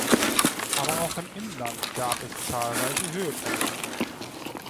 Aber auch im Inland gab es zahlreiche Höhepunkte.